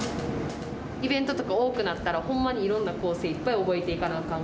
イベントとか多くなったら、ほんまにいろんな構成、いっぱい覚えていかなあかん。